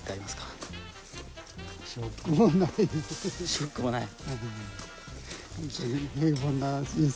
ショックもない？